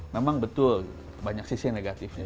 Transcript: memang betul banyak sisi yang negatifnya